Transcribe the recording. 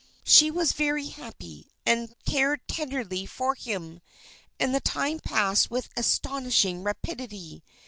She was very happy, and cared tenderly for him; and the time passed away with astonishing rapidity.